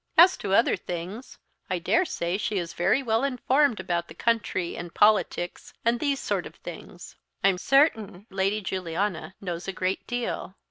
As to other things, I daresay she is very well informed about the country, and politics, and these sort of things I'm certain Lady Juliana knows a great deal."